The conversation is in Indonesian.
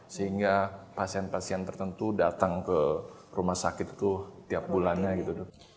sehingga pasien pasien tertentu datang ke rumah sakit itu tiap bulannya gitu